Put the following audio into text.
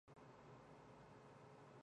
万得城电器是一家德国的电器零售商。